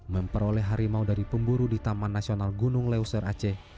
memperoleh harimau dari pemburu di taman nasional gunung leuser aceh